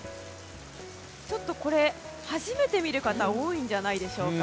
ちょっと初めて見る方多いんじゃないでしょうか。